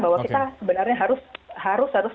bahwa kita sebenarnya harus